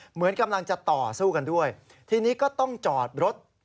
เหมือนกำลังจะต่อสู้กันด้วยทีนี้ก็ต้องจอดรถ